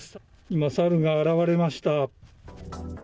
今、サルが現れました。